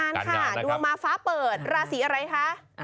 การงานค่ะดวงมาฟ้าเปิดราศรีอะไรคะ